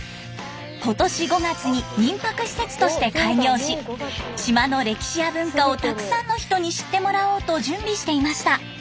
今年５月に民泊施設として開業し島の歴史や文化をたくさんの人に知ってもらおうと準備していました。